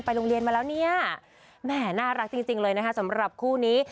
โรงเรียนมาแล้วเนี่ยแหมน่ารักจริงเลยนะคะสำหรับคู่นี้